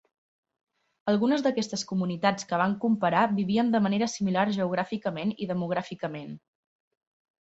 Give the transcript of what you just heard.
Algunes d'aquestes comunitats que van comparar vivien de manera similar geogràficament i demogràficament.